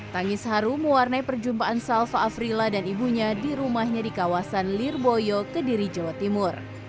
tangis haru mewarnai perjumpaan salva afrila dan ibunya di rumahnya di kawasan lirboyo kediri jawa timur